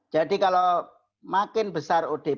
jadi kalau makin besar odp